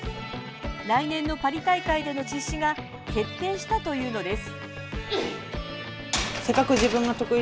来年のパリ大会での実施が決定したというのです。